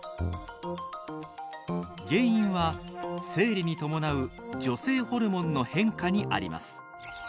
原因は生理に伴う女性ホルモンの変化にあります。